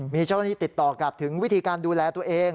มีเจ้าหน้าที่ติดต่อกลับถึงวิธีการดูแลตัวเอง